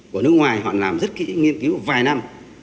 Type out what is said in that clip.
của nước ngoài họ làm rất kỹ nghiên cứu vài năm